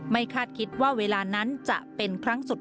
แก้แม่แบบเล่นนะครับ